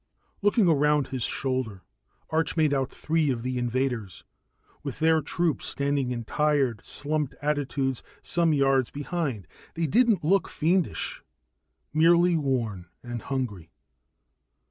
Looking around his shoulder, Arch made out three of the invaders, with their troop standing in tired, slumped attitudes some yards behind. They didn't look fiendish, merely worn and hungry.